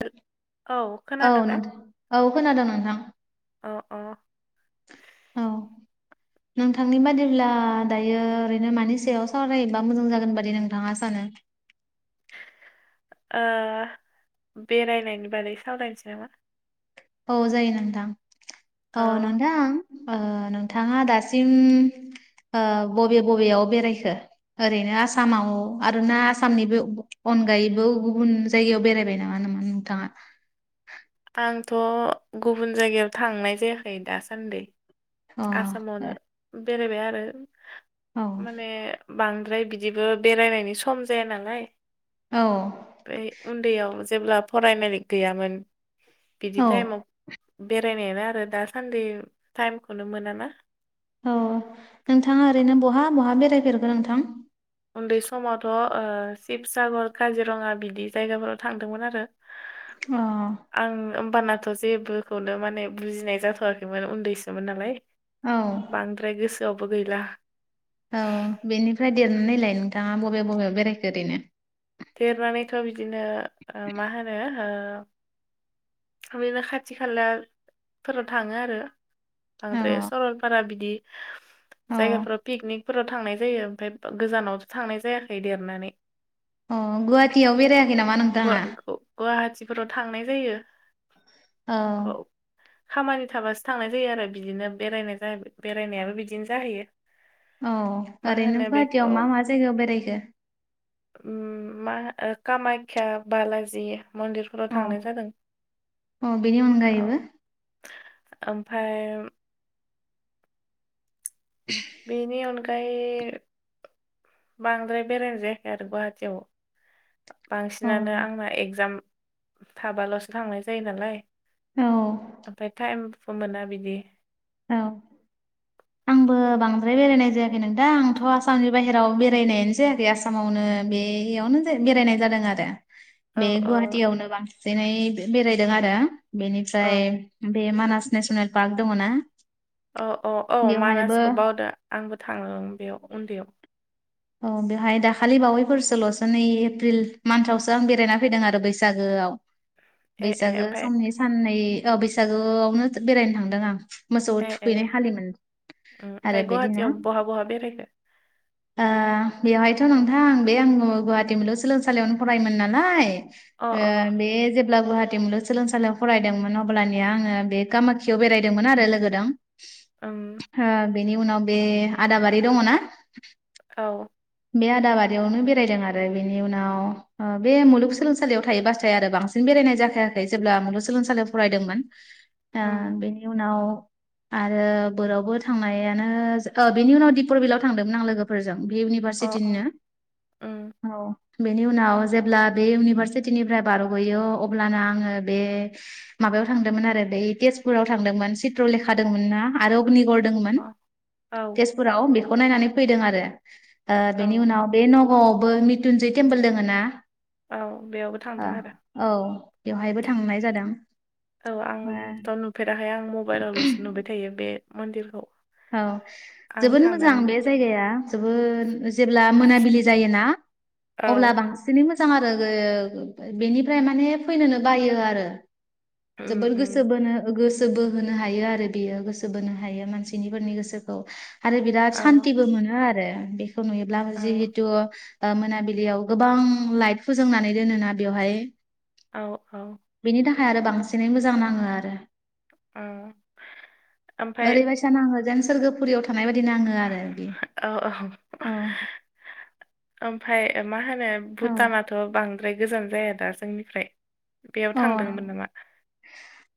[unintelligible] औ औ खोनादों दा? नोंथां औ खोनादों नोंथां। अ अ औ [inaudible] नोंथांनि बादिब्ला दायो ओरैनो मानि सायाव सावरायोबा मोजां जागोन बादि नोंथाङा सानो? ओ बेरायनायनि बारै सावरायनोसै नामा? औ जायो नोंदां औ नोंथां? ओ नोंथाङा दासिम ओ बबे बबेयाव ओ बेरायखो? ओरैनो आसामाव आरोना आसामनिबो अनगायैबो गुबुन जायगायाव बेरायबाय नामा नामा नोंथाङा? आंथ' गुबुन जायगायाव थांनाय जायाखै दासान्दि। अ आसामावनो बेरायबाय आरो औ माने बांद्राय बिदिबो बेरायनायनि सम जाया नालाय औ बे उन्दैयाव जेब्ला फरायनाय गैयामोन बिदि औ टाइमाव बेरायनायानो आरो दा सान्दि टाइमखौनो मोना ना? औ नोंथाङा ओरैनो बहा बहा बेरायफेरखो नोंथां? उन्दै समावथ' ओ शिबसागर काजिरङा बिबदि जायगाफोराव थांदोंमोन आरो। [inaudible] अ आं होमबानाथ' जेबोखौनो माने बुजिनाय जाथ'वाखैमोन उन्दैसोमोन नालाय। औ बांद्राय गोसोआवबो गैला औ बेनिफ्राय देन नायलाय नोंथाङा बबे बबे बेरायखो ओरैनो? देरनानैथ' बिदिनो ओ मा होनो ओ बिदिनो खाथि खालाफोरा थाङो आरो औ बांद्रे सरलपारा बिदि औ जायगाफोराव पिकनिकफोरा थांनाय जायो ओमफ्राय गोजानाव थांनाय जायाखै देरनानै। अ गुहाटियाव बेेराया गुवा-ग-गुहाटिफोराव थांनाय जायो। औ खामानि थाबासो थांनाय जायो आरो बिदिनो बेरायजा बेरायनायाबो बिदिनो जाहैयो। औ मा ओरैनो होनो बेखौ गुवाहाटियाव मा मा जायगायाव बेरायखो? उ मा कामायख्या, बालाजि मोन्दिर फोराव औ थांनाय जादों। औ बेनि औ अनगायैबो ओमफाय [inaudible] बेनि अनगायै बांद्राय बेरायनाय जायाखै आरो गुवाहाटियाव। औ बांसिनानो आंना एग्जाम थाबाल'स थांनाय जायो नालाय। औ ओमफाय टाइमफ मोना बिदि औ [inaudible] आंबो बांद्राय बेरायनाय जायाखै नोंथां आंथ आसामनि बाहेराव बेरायनायानो जायाखै आस मावनो बेयावनो जे बेरायनाय जादों आरो औ बे औ गुवाहाटियावनो बांसिनै बेरायदों आरो औ बेनिफ्राय बे मानास नेसनेल पार्क दङ ना अ अ औ बेवहायबो मानासखौ बावदो आंबो थाङो बेयाव उन्दैयाव। औ बेवहाय दाखालि बावैफोरसोल'सो नै एप्रिल मान्थआवसो आं बेरायना फैदों आरो बैसागोआव। ए ए बैसागो ओमफ्राय समनि साननै ओ बैसागोआवनो बेरायनो थांदों आं। मोसौ ए ए थुखैनाय खालिमोन उम ओमफ्राय आरो बि गुवाहाटियाव दिना। बहा बहा बेरायखो? ओ बेवहायथ' नोंथां बे आङो गुवाहाटि मुलुगसोलोंसालियावनो फरायोमोन नालाय अ ओ अ बे जेब्ला गुवाहाटि मुलुग सोलोंसालियाव फरायदोंमोन अब्लानिया आङो बे कामाख्याव बेरायदोंमोन आरो लोगोदों। उ हो बेनि उनाव बे आदाबारि दङ ना? औ बे आदाबारियावनो बेरायदों आरो बेनि उनाव ओ बे मुलुगसोलोंसालियाव थायो बाथाय आरो बांसिन बेरायनाय जाखायाखै जेब्ला मुगसोलोंसालियाव फरायदोंमोन। ओ उम बेनि उनाव आरो बोरावबो थांनायानो ओ बेनि उनाव दिपरबिलआव थांदोंमोन आं लोगो फोरजों बि अ अ इउनिभारसिटिनिनो उम औ ‌ बेनि उनाव जेब्ला बे इउनिभारसिटिनिफ्राय बार'गयो अब्लानो आङो बे माबायाव थांदोंमोन आरो दै तेजपुराव थांदोंमोन चित्र लेखादोंमोन ना आरो अगनिगर दोंमोन अ औ तेजपुराव बेखौ नायनानै फैदों आरो ओ बेनि औ उनाव बे नगावआवबो मिथुनजै टेम्पोल दोङो ना औ बेयावबो ओ थांदों आरो? औ बेवहायबो थांनाय जादों। औ आंथ' औ नुफेराहाय आं मबाइलावल'स नुबाय थायो बे मन्दिरखौ। औ आं जोबोद मोजां थांनानै बे जायगाया जोबोद जेब्ला मोनाबिलि जायोना औ अब्ला बांसि सिनै मोजां आरो गैयो बेनिफ्राय माने फैनोनो बायो आरो। उम जोबोर उम गोसो बोनो गोसो बोहोनो हायो आरो बियो गोसो बोनो हायो मानसि निफोरनि गोसोखौ आरो बिराद औ सान्तिबो मोनो आरो बे खौ नुयोब्ला औ जिहेतु ओ मोनाबिलियाव गोबां लाइट फोजोंनानै दोनोना बेवहाय औ औ बेनि थाखाय आरो बांसिनै मोजां नांङो आरो। औ ओमफ्राय ओरैबायसा नांङो जेन सोरगोफुरियाव थानाय बायदि नांङो आरो बि औ औ ओमफ्राय मा होनो भुटानाथ' बां द्राय गोजान जाया दा जोंनिफ्राय बेयाव औ अ थांदोंमोन नामा?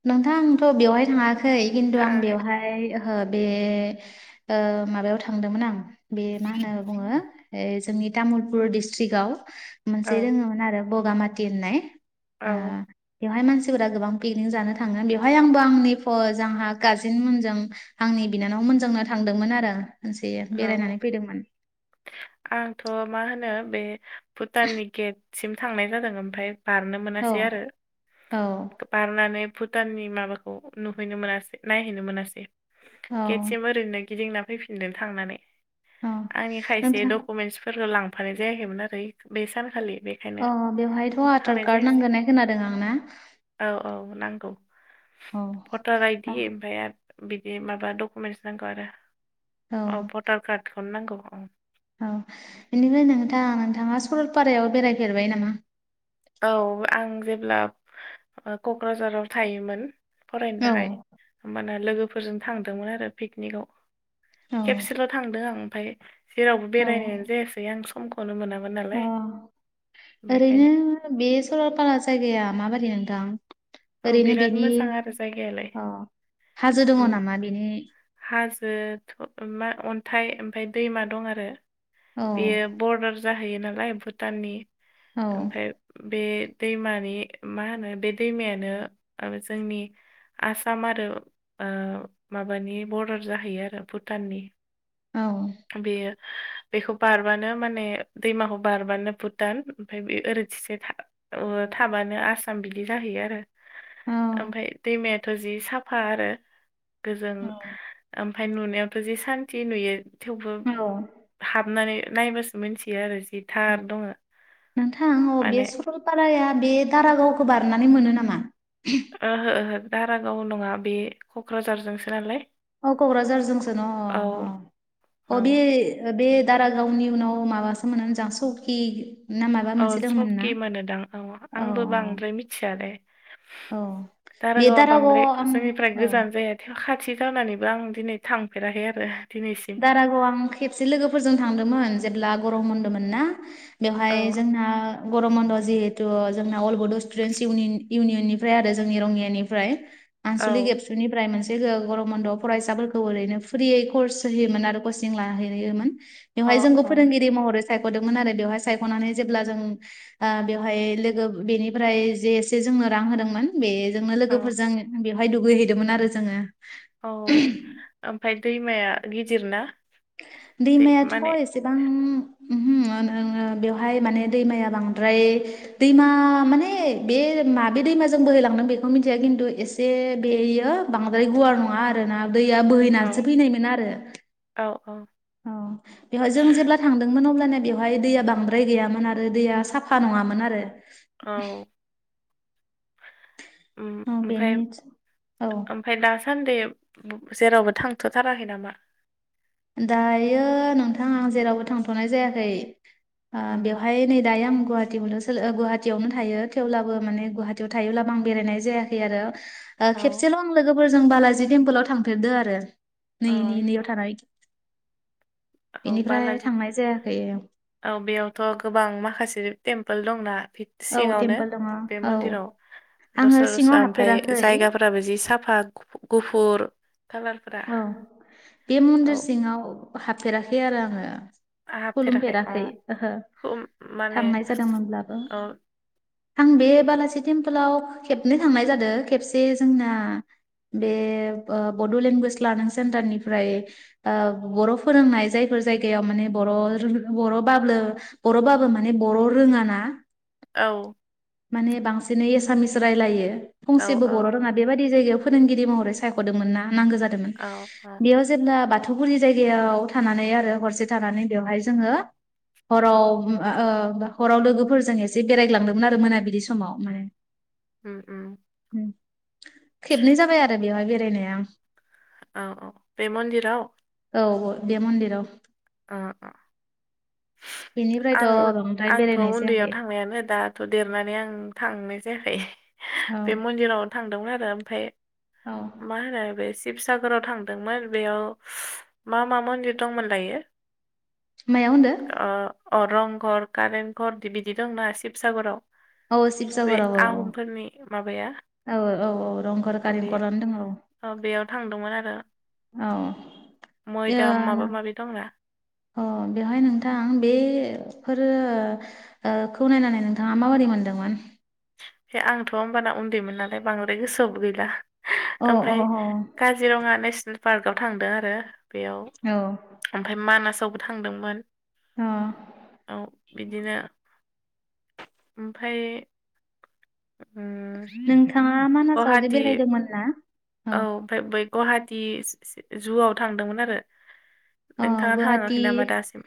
नोंथां थ' बेवहाय थांङाखै खिन्थु आं थाङाखै ना? बेवहाय ओ बे ओ माबायाव थांदोंमोन आं बे मा होनो बुंङो है जोंनि तामुलपुर डिस्ट्रिकाव मोनसे औ दोंङोमोन आरो बगामाथि होननाय। ओ औ बेवहाय मानसिफोरा गोबां पिकनिक जानो थांङो बेवहाय आंबो आंनि फ आंहा कारजेन मोनजों आंनि बिनानाव मोनजोंनो थांदोंमोन आरो खनसे औ बेरायनानै फैदोंमोन। आंथ' मा होनो बे भुटाननि गेटसिम थांनाय जादों ओमफाय बारनो औ मोनासै आरो। औ बारनानै भुटाननि माबाखौ नुहैनो मोनासै नायहैनो मोनासै। औ गेटसिम ओरैनो गिदिंना फैफिनदों थांनानै। औ आंनि खायसे नोंथां दकुमेन्टसफोरखौ लांफानाय जायाखैमोन आरो ओयक बे सानखालि बे औ बेवहायथ' आधार कार्ड नांगोन खोनादों आं ना? औ औ नांगौ भटार आइ दि ओमफ्राय आरो बिदि माबा डकुमेन्टस नांगौ आरो। औ भटार कार्डखौनो नांगौ औ। औ बेनिफ्राय नोंथां नोंथांङा सरलपारायाव बेरायफेरबाय नामा? औ आं जेब्ला ओ क'क्राझाराव थायोमोन फरायनो औ थाखाय माना लोगोफोरजों थांदोंमोन आरो पिकनिकवाव औ खेबसेल' थांदों आं ओमफ्राय जेरावबो बेरायनायानो जायासै आं सम खौनो मोनामोन अ नालाय ओरैनो बेखायनो बे सरलपारा जायगाया माबायदि नोंथां? औ ओरैनो बिराद बिनि मोजां आरो जायगायालाय अ हाजो दंङ उम नामा बिनि हाजो थ' मा अन्थाइ ओमफ्राय दैमा दं आरो औ बेयो बर्डार जाहैयो नालाय भुटाननि औ ओमफ्राय बे दैमानि मा होनो बे दैमायानो ओ जोंनि आसाम आरो ओ माबानि बर्डार जाहैयो आरो भुटाननि। औ बेयो बेखौ बारबानो माने दैमाखौ बारबानो भुटान ओमफ्राय बे ओरैथिंसे औवो थाबानो आसाम बिदि जाहैयो आरो। औ ओमफ्राय दैमायाथ' जि साफा आरो गोजों औ ओम फाय नुनायावथ' जि सान्थि नुयो थेवबो औ हाबनानै नायबासो मिथियो आरो जि थार दङ नोंथां औ बे माने सब सलपाराया बे दारागावखौ बारनानै मोनो नामा? ओहो ओहो दारागाव नंङा बे क'क्राझारजोंसो नालाय। अ क'क्राझारजोंसो न औ अ औ अ बे बे दारागावनि उनाव माबासो मोनो नोजां स'कि ना माबा औ मोनसे दंमोन ना? सकि मोनोदां औ आंबो बांद्राय मिथिया लै। औ बे दारागावा दारागावआव बांद्राय आं जोंनिफ्राय औ गोजान जाया। खाथि गानानैबो आं दिनै थांफेराखै आरो दिनैसिम। दारागाव आं खेबसे लोगोफोरजों थांदोंमोन जेब्ला गरम बनदोंमोन ना बेवहाय औ जोंना गरम बन्द'आ जिहेतु जोंना अल बड' स्टुडेन्टस इउनि-इउनियननिफ्राय आरो जोंनि रंङियानिफ्राय आनस'लिक औ एबसुनिफ्राय मोनसे ओ गरमन्द'आव फरायसाफोरखौ ओरैनो फ्रियै कर्स होयोमोन आरो कचिं लाहैयोमोन अ बेवहाय जोंखौ अ फोरोंगिरि महरै सायख'दोंमोन आरो बेवहाय सायख'नानै जेब्ला जों ओ बेवहाय लोगो बेनिफ्राय जे एसे जोंनो रां होदोंमोन बेजोंनो औ लोगोफोरजों बेवहाय दुगैहैदोंमोन आरो जोङो। औ ओमफाय दैमाया गिदिर ना? दै दैमायाथ' माने ए एसेबां उमहो ओ नो नो बेवहाय माने दैमाया बांद्राय दैमा माने बे माबे दैमाजों बोहैलांदों बेखौ मिन्थिया खिन्थु एस से बेयो बांद्राय गुवार नङा आरोना दैया औ बोहैनासो फैनायमोन आरो। औ औ। औ। बेवहाय जों जेब्ला थांदोंमोन अब्लाना बेवहाय दैया बांद्राय गैयामोन आरो दैया साफा नङामोन आरो‌। औ उम औ आमफाय बेनि आम औ आमफाय दासान्दे बो जेरावबो थांथ'थाराखै नामा? दायो नोंथां आं जेरावबो थांथ'नाय जायाखै। ओ उम बेवहाय नै दायो आं गुहाटि मुलुग सोल ओ गुहाटियावनो थायो थेवब्लाबो माने गुहाटियाव थायोब्लाबो आं बेरायनाय जायाखै आरो। ओ औ खेबसेल' आं लोगोफोरजों बालाजि टेम्पोलाव थांफेरदो आरो औ नै नै नैयाव थानाय। औ बेनिफ्राय बालाजि। थांनाय जायाखै औ बेयावथ' गोबां माखासे टेम्पोल दंना बि औ सिङावनो टेम्पोल दङ बे औ मन्दिराव आङो दस्रा सिङाव दस्रा ओमफाय हाबफेराखै जायगाफोर फ्राबो जि साफा गुफु-गुफुर खालार औ बे मन्दिर सिङाव हाबफेराखै आरो आङो। आंहा हाबफेराखै अ खुलुमफेराखै ओहो खम माने थांनाय जादोंमोनब्लाबो। औ आं बे बालाजि टेम्पोलाव खेबनै थांनाय जादो खेबसे जोंना बे ओ बड' लेंगुवेज लारनिं सेन्टारनिफ्राय ओ बर' फोरोंनाय जायफोर जायगायाव माने बर' रोहो बर' ब्लाब्लो बर'बाबो माने बर' रोङा ना। औ। माने बांसिनै एसामिस रायलायो औ फंसेबो बर' औ रोङा बे बायदि जायगायाव फोरोंगिरि महरै सायख'दोंमोन ना नांगौ जादोंमोन औ औ बेयाव जेब्ला बाथौगुरि जायगायाव थानानै आरो हरसे थानानै बेवहाय जोङो हराव उम ओ हराव लोगोफोरजों एसे बेरायग्लांदोंमोन आ दों मोनाबिलि समाव माने। ओम ओम। उम। खेबनै जाबाय आरो बेवहाय बेरायनाया आं। औ औ बेे मन्दिराव? औ ओ बे मन्दिराव। ओ ओ बेनिफ्रायथ' आं बांद्राय आंथ' बेरायनाय जायाखै उन्दैयाव थांनायानो दा थ' देरनानै आं थांनाय जायाखै औ बे मन्दिराव थांदोंमोन आरो आमफाय औ मा होनो बे सि शिबसागराव थांदोंमोन बेयाव मा मा मन्दिर दंमोन लायो? मायाव होनदो? अ अ रंघर कारेंघर दि बिदि दंना शिबसागराव। औ बे शिबसागराव औ आहमफोरनि माबाया औ औ औ रंघर ओ बे कारेंघरानो दङ औ अ बेयाव थांदोंमोन आरो। औ। ओ मैदाम माबा माबि दंना। अ बेवहाय नोंथां बेफोरो ओ खौ नायनानै नोंथाङा माबोरै मोनदोंमोन? बे आंथ होमबाना उन्दैमोन नालाय बांद्राय गोसोआवबो गैला अ अ ओमफ्राय अ काजिरङा नेसनेल पार्कआव थांदों आरो बेयाव औ ओमफ्राय मानासावबो थांदोंमोन। अ औ बिदिनो ओमफ्राय उम नोंथाङा मानासाव जे गुवाहाटि बेरायदोंमोन ना औ ओमफ्राय बै गुवाहाटि जुआव थांदोंमोन आरो। अ नोंथाङा गुवाहाटि थाङाखै नामा दासिम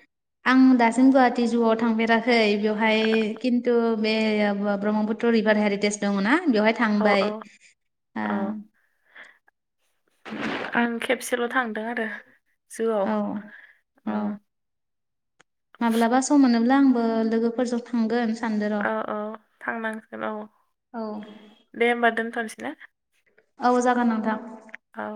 आं दासिम गुवाहाटिी जुआव थांफेराखै बेवहाय खिन्थु बे ब्रह्मपुत‌ थ, रिभार हेरिटेज दङनाा बेवहाय औ थांबाय औ ओ। औ आं खेबसेल थांदों आरो। जुआव औ औ ओम, माब्लाबा सम मोनोब्ला आंबो लोगोफोरजों थ थांगोन सानदों र' औ औ थांनांसिगोन औ औ दे होमबा दोनथनोसै ना औ जागोन नोंथां। औ।